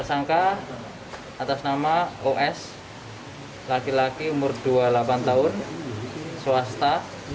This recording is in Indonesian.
tersangka atas nama os laki laki umur dua puluh delapan tahun swasta